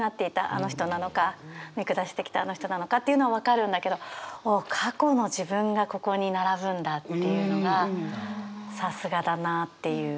あの人」なのか「見下してきたあの人」なのかっていうのは分かるんだけど「過去の自分」がここに並ぶんだっていうのがさすがだなっていう。